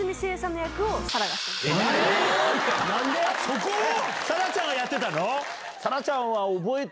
そこを⁉紗来ちゃんがやってたの？